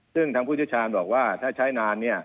ซึ่งทางผู้เชี่ยวชาญบอกว่าถ้าใช้นาน